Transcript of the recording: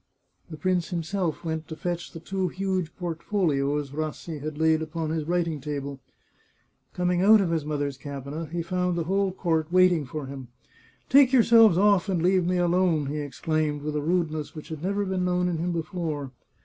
The prince himself went to fetch the two huge portfolios Rassi had laid upon his writing table. Coming out of his mother's 453 The Chartreuse of Parma cabinet, he found the whole court waiting for him. " Take yourselves off and leave me alone !" he exclaimed with a rudeness which had never been known in him before.